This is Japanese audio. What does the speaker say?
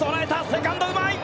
セカンドうまい！